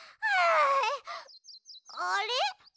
あれ？